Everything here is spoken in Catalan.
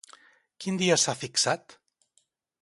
Quin dia s'ha fixat?